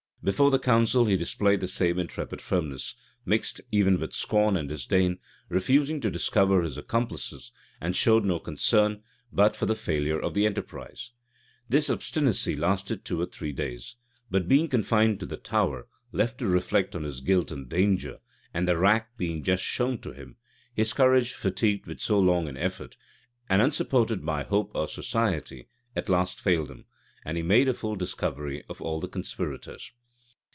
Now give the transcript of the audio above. [] Before the council he displayed the same intrepid firmness, mixed even with scorn and disdain; refusing to discover his accomplices, and showing no concern but for the failure of the enterprise.[] This obstinacy lasted two or three days: but being confined to the Tower, left to reflect on his guilt and danger, and the rack being just shown to him, his courage, fatigued with so long an effort, and unsupported by hope or society, at last failed him, and he made a full discovery of all the conspirators.